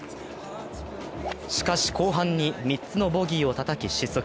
しかし後半に３つのボギーをたたき失速。